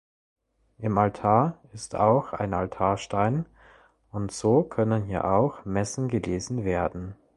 Im Altar ist auch ein Altarstein und so können hier auch Messen gelesen werden.